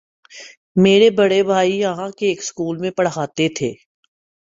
میرے بڑے بھائی یہاں کے ایک سکول میں پڑھاتے تھے۔